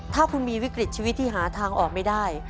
ถ้าคุณมีวิกฤตชีวิตที่หาทางออกไม่ได้